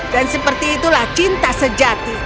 dan seperti itulah cinta sejati